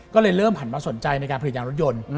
ก็เลยเริ่มหันมาสนใจในการผลิตยางรถยนต์